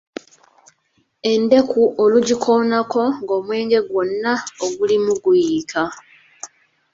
Endeku olugikoonako nga omwenge gwonna ogulimu guyiika.